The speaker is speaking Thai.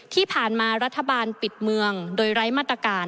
ที่ผ่านมารัฐบาลปิดเมืองโดยไร้มาตรการ